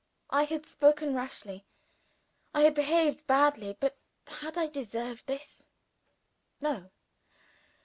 I had spoken rashly I had behaved badly but had I deserved this? No! no!